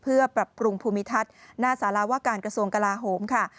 เพื่อปรับปรุงภูมิทัศน์หน้าสารวการกระทรวงกลาโหมค่ะ